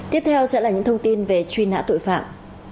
tiếp theo sẽ là những thông tin về truy nã tội phạm